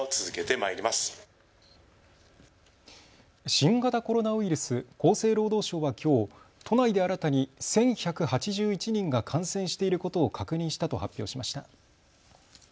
新型コロナウイルス、厚生労働省はきょう、都内で新たに１１８１人が感染していることを確認したと発表しました。